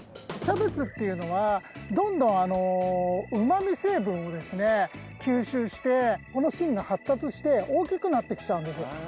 キャベツっていうのはどんどんうまみ成分を吸収してこの芯が発達して大きくなってきちゃうんです。